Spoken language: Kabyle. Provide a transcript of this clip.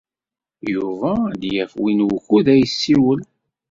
Yuba ad d-yaf win wukud ad yessiwel.